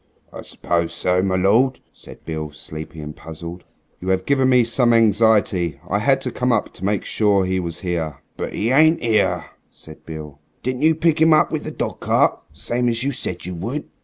"I suppose so, my lord," said Beale, sleepy and puzzled. "You have given me some anxiety. I had to come up to make sure he was here." "But 'e ain't 'ere," said Beale. "Didn't you pick 'im up with the dog cart, same as you said you would?"